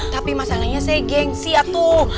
tapi masalahnya saya gengsi ya tuh